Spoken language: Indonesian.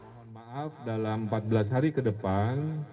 mohon maaf dalam empat belas hari ke depan